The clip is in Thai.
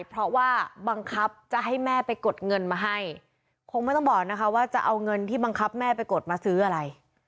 เพราะว่าบังคับจะให้แม่ไปกดเงินมาให้คงไม่ต้องบอกนะคะว่าจะเอาเงินที่บังคับแม่ไปกดมาซื้ออะไร